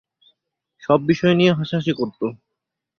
সব বিষয় নিয়ে হাসাহাসি করতো।